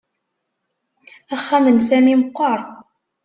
Axxam n Sami meqqer